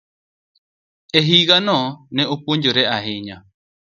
E higano, ne opuonjore ahinya.